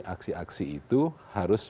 aksi aksi itu harus